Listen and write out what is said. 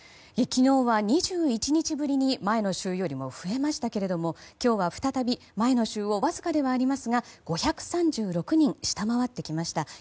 昨日は２１日ぶりに前の週よりも増えましたけども今日は再び前の週よりわずかではありますが５３６人、下回ってきました。